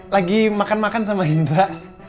lagi makan makan sama himba